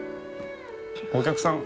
お客さん